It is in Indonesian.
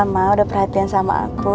mah udah perhatian sama aku